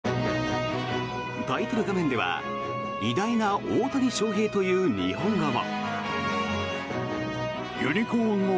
タイトル画面では偉大な大谷翔平という日本語も。